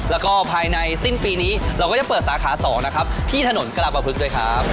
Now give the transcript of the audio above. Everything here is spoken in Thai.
แล้วก็ภายในสิ้นปีนี้เราก็จะเปิดสาขา๒นะครับที่ถนนกรปภึกด้วยครับ